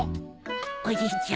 おじいちゃん